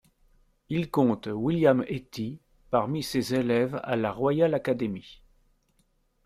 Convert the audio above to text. Il compte William Etty parmi ses élèves à la Royal Academy.